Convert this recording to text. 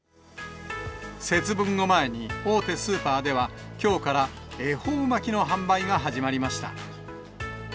節分を前に、大手スーパーでは、きょうから恵方巻きの販売が始まりました。